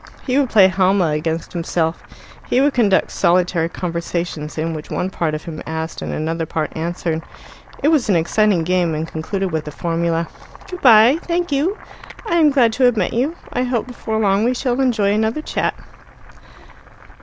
He would play Halma against himself. He would conduct solitary conversations, in which one part of him asked and another part answered. It was an exciting game, and concluded with the formula: "Good bye. Thank you. I am glad to have met you. I hope before long we shall enjoy another chat."